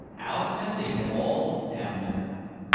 How tempting it all looked down there.